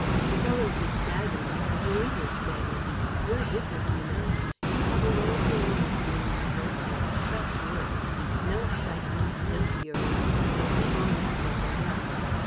The fellows who stagger me are you English beggars. You're different, you know. You have a way of your own of doing your work ... and such work! No excitement, no fury. You keep all that bottled up.